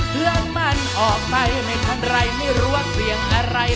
เครื่องมันออกไปไม่ทันไรไม่รู้ว่าเสียงอะไร